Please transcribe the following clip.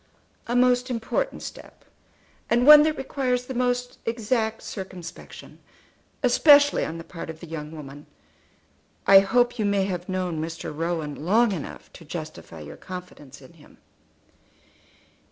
"A most important step, and one that requires the most exact circumspection, especially on the part of the young woman. I hope you may have known Mr. Rowan long enough to justify your confidence in him."